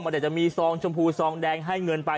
เดี๋ยวจะมีซองชมพูซองแดงให้เงินไป